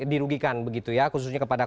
dirugikan khususnya kepada